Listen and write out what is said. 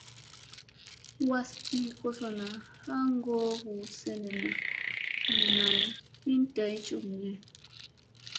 Was ii kozona ha goo zina nam hin day cukniye.